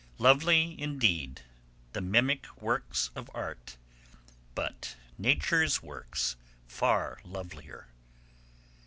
Lovely, indeed, the mimic works of art, But Nature's works far lovelier."